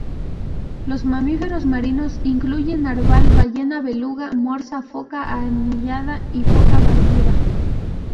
Los mamíferos marinos incluyen narval, ballena beluga, morsa, foca anillada y foca barbuda.